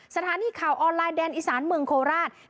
สถานีข่าวออนไลน์แดนอีสานเมืองโคราช